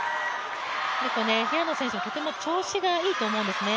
平野選手、とても調子がいいと思うんですね。